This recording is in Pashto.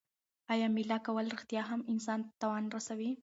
آیا مېله کول رښتیا هم انسان ته تاوان رسوي؟